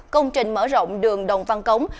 công trình mở rộng đường đồng văn cống